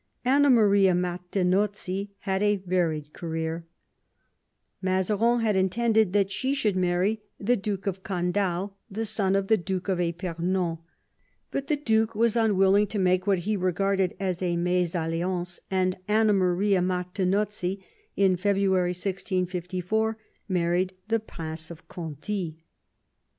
Anna Maria Martinozzi had a varied career. Mazarin had intended that she should marry the Duke of VI THE CLOSE OF THE FRONDE 109 Candale, the son of the Duke of Epemon. But the duke was unwilling to make what he regarded as a mesalliance, and Anna Maria Martinozzi in February 1654 married the Prince of Conti.